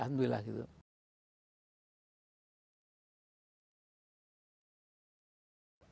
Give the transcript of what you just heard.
apa yang anda inginkan untuk melakukan